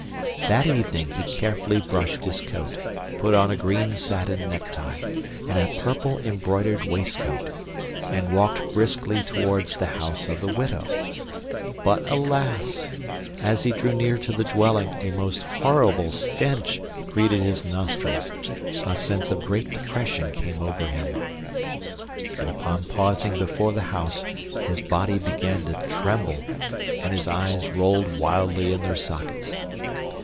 That evening he carefully brushed his coat, put on a green satin necktie and a purple embroidered waist coat, and walked briskly towards the house of the widow. But, alas! as he drew near to the dwelling a most horrible stench greeted his nostrils, a sense of great depression came over him, and upon pausing before the house his body began to tremble and his eyes rolled wildly in their sockets.